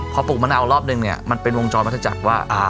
พอปลูกมะนาวรอบนึงมันเป็นวงจรมาจากว่า